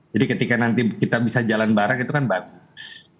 jadi ketika nanti kita bisa jalan bareng itu kan bagus